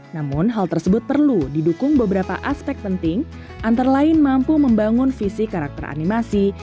namun hal tersebut perlu didukung beberapa aspek penting antara lain mampu membangun visi karakter animasi